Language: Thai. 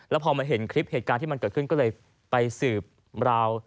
แล้วพอมาเห็นคลิปเหตุการณ์ที่มันเกิดขึ้นก็เลยไปสืบราว